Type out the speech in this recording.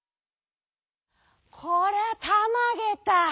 「こりゃたまげた。